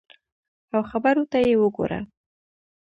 او خبرو ته یې وګوره !